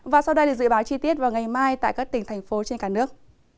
và sau đây là dự báo chi tiết vào ngày mai tại các tỉnh thành phố trên cả nước